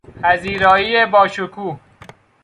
پذیرایی با شکوه